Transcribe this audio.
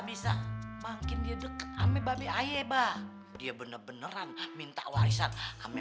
bisa hai mainin juga ditangkap hebat bya bac dia beneran minta warisan ambe